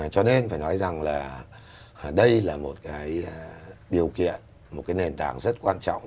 cho nên phải nói rằng là đây là một cái điều kiện một cái nền tảng rất quan trọng